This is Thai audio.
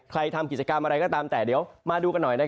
ทำกิจกรรมอะไรก็ตามแต่เดี๋ยวมาดูกันหน่อย